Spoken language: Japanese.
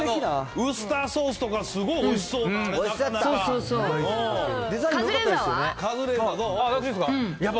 ウスターソースとか、すごいおいしそうやった。